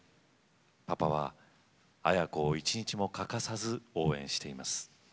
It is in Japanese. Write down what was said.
パパは亜矢子を一日も欠かさず応援しています。